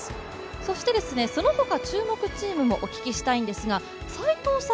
そしてそのほか注目チームもお聞きしたいんですが斎藤さん